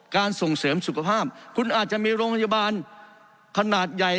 ส่งเสริมสุขภาพคุณอาจจะมีโรงพยาบาลขนาดใหญ่